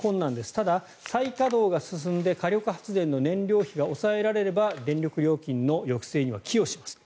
ただ、再稼働が進んで火力発電の燃料費が抑えられれば電力料金の抑制には寄与します。